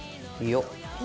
よっ。